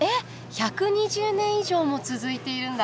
１２０年以上も続いているんだ！